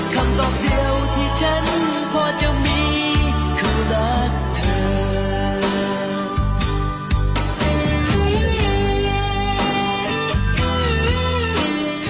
คำบอกเดียวที่ฉันพอจะมีคือรักเธอ